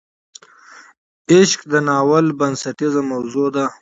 عشق د ناول بنسټیزه موضوع ده.